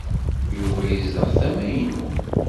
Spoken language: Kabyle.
Yuba yezdeɣ tama-inu.